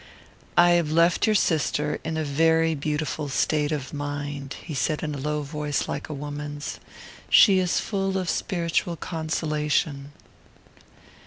"I have left your sister in a very beautiful state of mind," he said in a low voice like a woman's. "She is full of spiritual consolation."